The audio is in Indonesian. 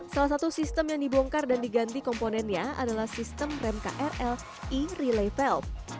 salah satu sistem yang dibongkar dan diganti komponennya adalah sistem rem krl e relay fail